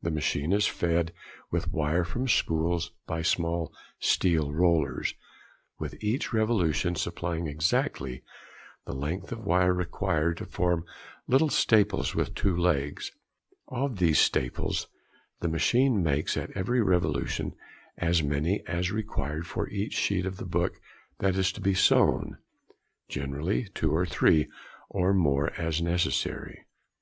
The machine is fed with wire from spools by small steel rollers, which at each revolution supply exactly the length of wire required to form little staples with two legs. Of these staples, the machine makes at every revolution as many as are required |32| for each sheet of the book that is being sewn—generally two or three, or more, as necessary.